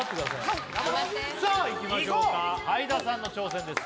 はいさあいきましょうかはいださんの挑戦です